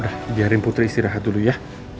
ah biarin putri istirahat dulu ya